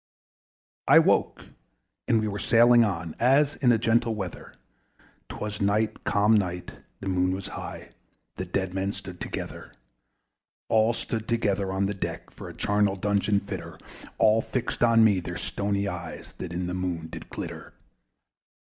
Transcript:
I woke, and we were sailing on As in a gentle weather: 'Twas night, calm night, the Moon was high; The dead men stood together. All stood together on the deck, For a charnel dungeon fitter: All fixed on me their stony eyes, That in the Moon did glitter.